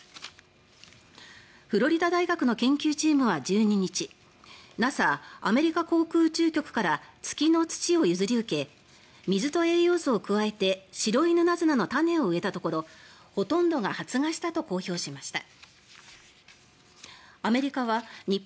フロリダ大学の研究チームは１２日ＮＡＳＡ・アメリカ航空宇宙局から月の土を譲り受け水と栄養素を加えてシロイヌナズナの種を植えたところほとんどが発芽したと公表しました。